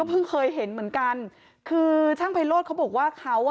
เพิ่งเคยเห็นเหมือนกันคือช่างไพโรธเขาบอกว่าเขาอ่ะ